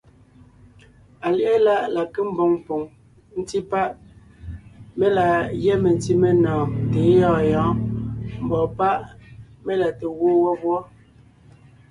Alyɛ̌ʼɛ láʼ la nke mboŋ poŋ ńtí páʼ mé la gyɛ́ mentí menɔɔn tà é gyɔ̂ɔn yɔ̌ɔn, mbɔ̌ páʼ mé la te gwoon wɔ́b wɔ́.